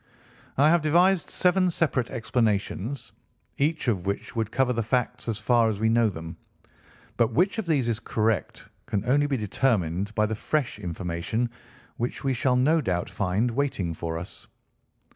"I have devised seven separate explanations, each of which would cover the facts as far as we know them. But which of these is correct can only be determined by the fresh information which we shall no doubt find waiting for us.